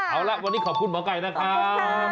เอาล่ะวันนี้ขอบคุณหมอไก่นะคะขอบคุณค่ะขอบคุณค่ะ